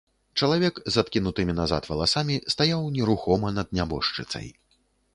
Чалавек з адкінутымі назад валасамі стаяў нерухома над нябожчыцай.